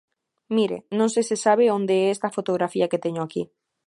Mire, non sei se sabe onde é esta fotografía que teño aquí.